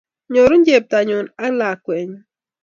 Nyoru chepto nyu ak lakwet nyu.